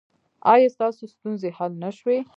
ایا ستاسو ستونزې حل نه شوې؟